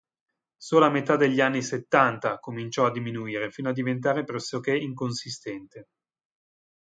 Solo a metà degli anni settanta cominciò a diminuire fino a diventare pressoché inconsistente.